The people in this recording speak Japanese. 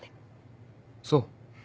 そう。